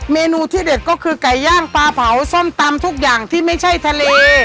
เมนูที่เด็ดก็คือไก่ย่างปลาเผาส้มตำทุกอย่างที่ไม่ใช่ทะเล